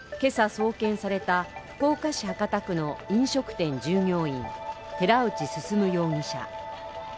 今朝送検された福岡市博多区の飲食店従業員、寺内進容疑者。